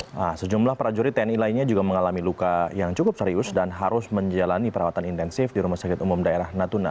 nah sejumlah prajurit tni lainnya juga mengalami luka yang cukup serius dan harus menjalani perawatan intensif di rumah sakit umum daerah natuna